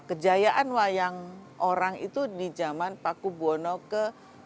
kejayaan wayang orang itu di zaman paku buwono ke